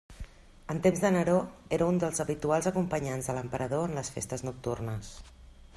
En temps de Neró era un dels habituals acompanyants de l'emperador en les festes nocturnes.